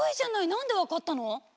なんで分かったの？